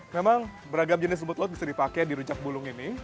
memang beragam jenis rumput laut bisa dipakai di rujak bulung ini